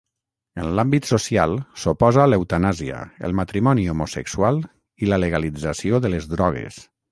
En l'àmbit social, s'oposa a l'eutanàsia, el matrimoni homosexual i la legalització de les drogues.